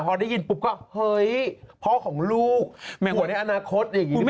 พอได้ยินปุ๊บก็เฮ้ยพ่อของลูกแม่หัวในอนาคตอย่างนี้หรือเปล่า